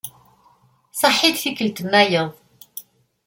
Saḥit tikkelt-nnayeḍ.